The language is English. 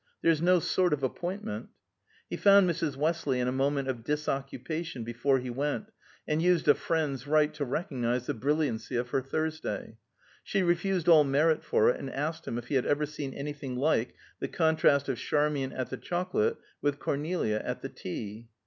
There's no sort of appointment." He found Mrs. Westley in a moment of disoccupation before he went, and used a friend's right to recognize the brilliancy of her Thursday. She refused all merit for it and asked him if he had ever seen any thing like the contrast of Charmian at the chocolate with Cornelia at the tea.